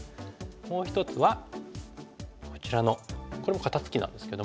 もう一つはこちらのこれも肩ツキなんですけども。